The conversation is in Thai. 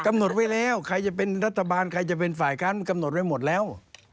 กำหนดไว้แล้วใครจะเป็นรัฐบาลใครจะเป็นฝ่ายค้านมันกำหนดไว้หมดแล้ว